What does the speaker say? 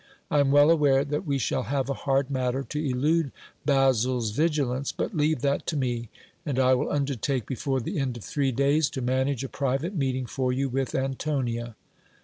I am well aware that we shall have a hard matter to elude Basil's vigilance ; but leave that to me, and I will undertake before the end of three days to manage a private meeting for you with Antonia.